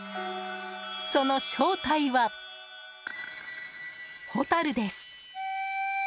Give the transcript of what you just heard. その正体は、ホタルです。